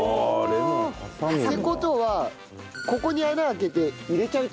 って事はここに穴あけて入れちゃうって事か。